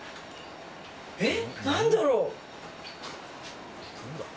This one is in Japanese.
え、何だろう？